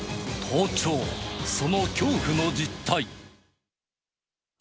盗聴、その恐怖の実態。